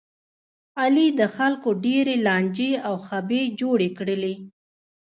علي د خلکو ډېرې لانجې او خبې جوړې کړلې.